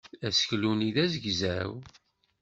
Aseklu-nni d azegzaw.